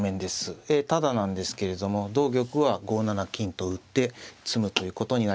タダなんですけれども同玉は５七金と打って詰むということになります。